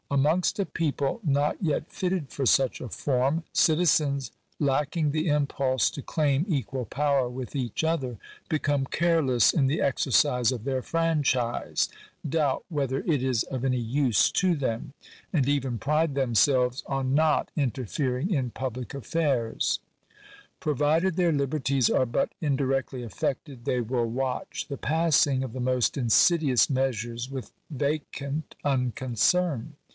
Amongst a peo ple not yet fitted for such a form, citizens, lacking the impulse to claim equal power with each other, become careless in the exercise of their franchise, doubt whether it is of any use to them, and even pride themselves on not interfering in pub R Digitized by VjOOQIC 242 THE CONSTITUTION OF THK STATE. lie affairs 3 . Provided their liberties are but indirectly affected, they will watch the passing of the most insidious measures with vacant unconcern.